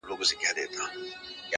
غم ډک کور ته ورلوېږي.